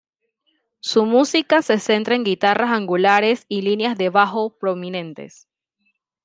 Su música se centra en guitarras angulares y líneas de bajo prominentes.